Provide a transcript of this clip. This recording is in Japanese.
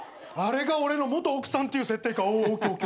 あれが俺の元奥さんっていう設定か。